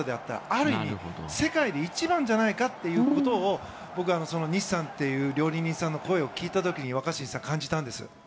ある意味、世界で一番じゃないかっていうことを僕はニシさんという料理人さんの声を聞いた時に若新さん、感じたんですよ。